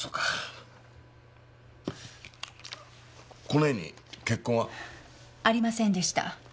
この絵に血痕は？ありませんでした。